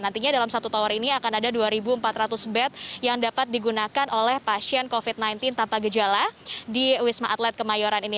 nantinya dalam satu tower ini akan ada dua empat ratus bed yang dapat digunakan oleh pasien covid sembilan belas tanpa gejala di wisma atlet kemayoran ini